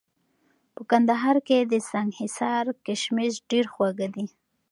په کندهار کي د سنګحصار کشمش ډېر خواږه دي